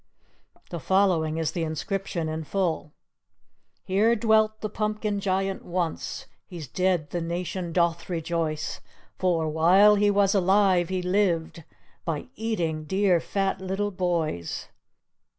The following is the inscription in full: "Here dwelt the Pumpkin Giant once. He's dead the nation doth rejoice, For, while he was alive, he lived By e g dear, fat, little boys."